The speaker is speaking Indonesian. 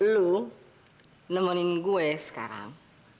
lu nemenin gue sekarang